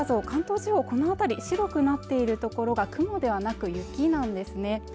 関東地方この辺り白くなっている所が雲ではなく雪なんですね